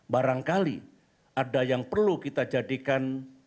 barangkali ada yang perlu kita jadikan